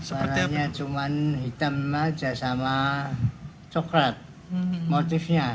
warnanya cuma hitam aja sama coklat motifnya